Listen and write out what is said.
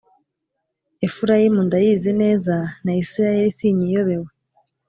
Efurayimu ndayizi neza, na Israheli sinyiyobewe;